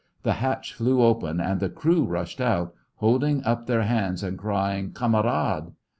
The hatch flew open and the crew rushed out, holding up their hands and crying, "Kamerad."